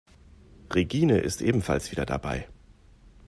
Regine ist ebenfalls wieder dabei.